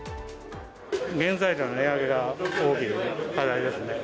原材料の値上げが大きい課題ですね。